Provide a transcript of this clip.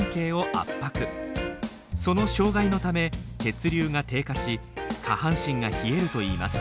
その障害のため血流が低下し下半身が冷えるといいます。